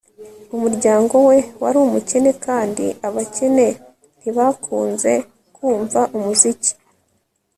Umuryango we wari umukene kandi abakene ntibakunze kumva umuziki